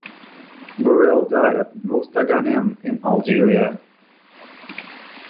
Borel died at Mostaganem in Algeria.